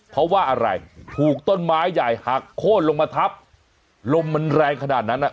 เพราะว่าอะไรถูกต้นไม้ใหญ่หักโค้นลงมาทับลมมันแรงขนาดนั้นอ่ะ